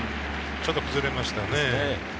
ちょっと崩れましたね。